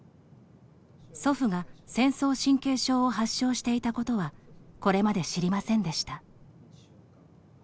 祖父が戦争神経症を発症していたことはこれまで知りませんでした。